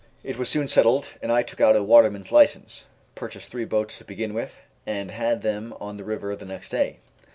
It was soon settled, and I took out a waterman's licence, purchased three boats to begin with, and had them on the river the next day.